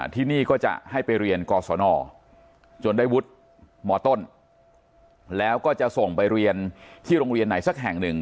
ที่นี่ก็จะให้ไปเรียนกศนจนได้วุฒิมต้นแล้วก็จะส่งไปเรียนที่โรงเรียนไหนสักแห่งหนึ่ง